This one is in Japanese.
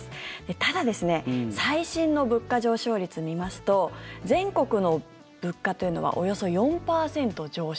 ただ最新の物価上昇率を見ますと全国の物価というのはおよそ４％上昇。